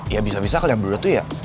ya bisa bisa kalian berdua tuh ya